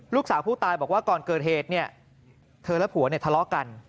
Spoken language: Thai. ลูกสาวผู้ตายบอกว่าก่อนเกิดเหตุเนี่ยเธอและผัวเนี่ยทะเลาะกัน